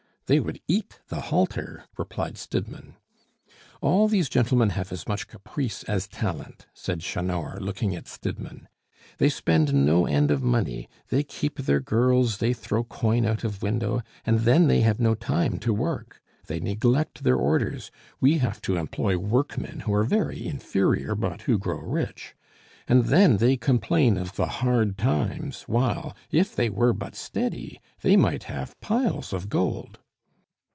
"They would eat the halter," replied Stidmann. "All these gentlemen have as much caprice as talent," said Chanor, looking at Stidmann. "They spend no end of money; they keep their girls, they throw coin out of window, and then they have no time to work. They neglect their orders; we have to employ workmen who are very inferior, but who grow rich; and then they complain of the hard times, while, if they were but steady, they might have piles of gold."